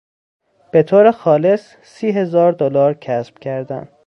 به طور خالص سی هزار دلار کسب کردن